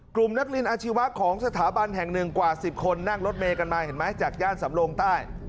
กลุ่มนักเรียนอาชีวะของสถาบันแห่งหนึ่งกว่า๑๐คนนั่งรถเมย์กันมาเห็นไหมจากย่านสำโลงใต้